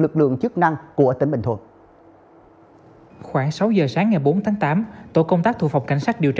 lực lượng chức năng của tp phan thiết